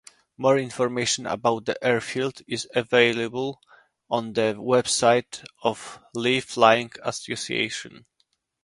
More information about the airfield is available on the website of Lee Flying Association.